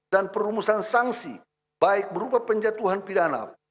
dan perumusan sanksi baik berupa penjatuhan pidana